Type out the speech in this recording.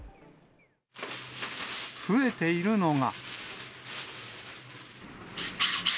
増えているのが。